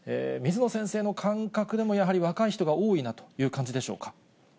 水野先生の感覚でも、やはり若い人が多いなという感じでしょうか。